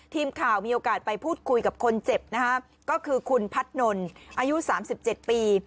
ทีมข่าวมีโอกาสไปพูดคุยกับคนเจ็บนะฮะก็คือคุณพัฒนนอายุ๓๗ปี